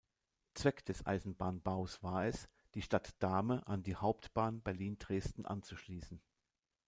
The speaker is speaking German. Zweck des Eisenbahnbaus war es, die Stadt Dahme an die Hauptbahn Berlin–Dresden anzuschließen.